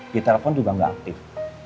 dia telepon juga gak aktif